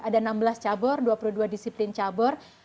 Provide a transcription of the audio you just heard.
ada enam belas cabur dua puluh dua disiplin cabur